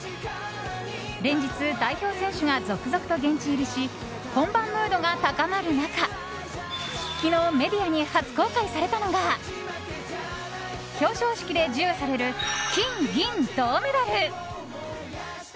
連日、代表選手が続々と現地入りし本番ムードが高まる中昨日メディアに初公開されたのが表彰式で授与される金、銀、銅メダル。